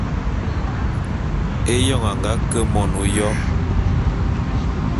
Éyoň a nga ke mon ôyo.